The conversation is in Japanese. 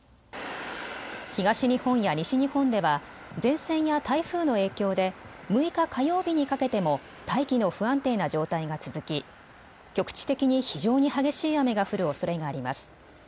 東日本や西日本では前線や台風の影響で６日火曜日にかけても大気の不安定な状態が続き局地的に非常に激しい雨が降るおそれがあります。